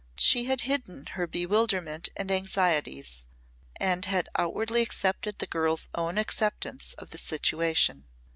She had hidden her bewilderment and anxieties and had outwardly accepted the girl's own acceptance of the situation.